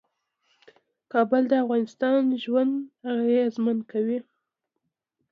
کابل د افغانانو ژوند اغېزمن کوي.